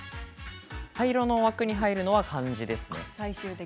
灰色の枠に入るのは漢字です。